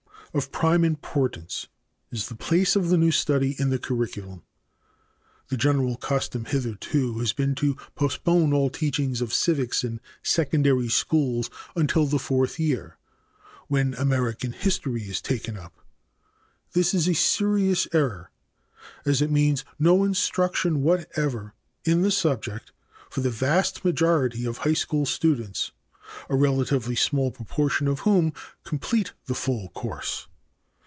Of prime importance is the place of the new study in the curriculum. The general custom hitherto has been to postpone all teaching of civics in secondary schools until the fourth year, when American history is taken up. This is a serious error, as it means no instruction whatever in the subject for the vast majority of high school students, a relatively small proportion of whom complete the full course.